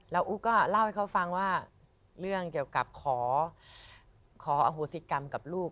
แล้วอุ๊กก็เล่าให้เขาฟังว่าเรื่องเกี่ยวกับขออโหสิกรรมกับลูก